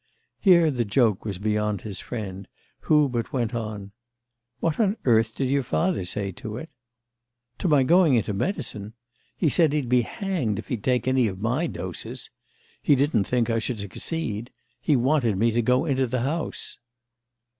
Here the joke was beyond his friend, who but went on: "What on earth did your father say to it?" "To my going into medicine? He said he'd be hanged if he'd take any of my doses. He didn't think I should succeed; he wanted me to go into the house."